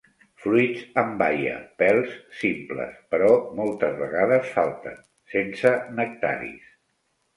Fruits amb baia. Pèls simples, però moltes vegades falten. Sense nectaris.